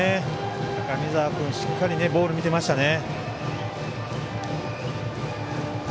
高見澤君、しっかりボールを見ていましたね。